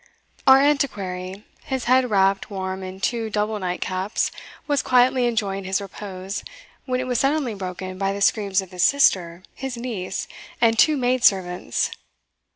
Our Antiquary, his head wrapped warm in two double night caps, was quietly enjoying his repose, when it was suddenly broken by the screams of his sister, his niece, and two maid servants.